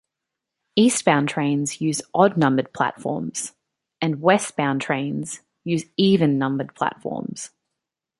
Eastbound trains use odd-numbered platforms, and westbound trains use even-numbered platforms.